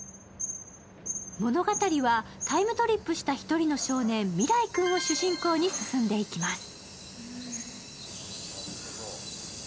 物語はタイムトリップした１人の少年、みらい君を主人公に進んでいきます。